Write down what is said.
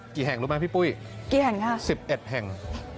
กี่แห่งรู้ไหมพี่ปุ๊ยสิบเอ็ดแห่ง